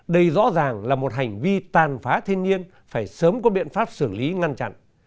đây rõ ràng là một hành vi tàn phá thiên nhiên phải sớm có biện pháp xử lý ngăn chặn